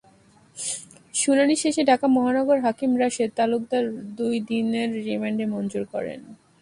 শুনানি শেষে ঢাকা মহানগর হাকিম রাশেদ তালুকদার দুই দিনের রিমান্ড মঞ্জুর করেন।